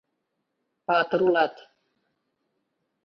— Патыр улат...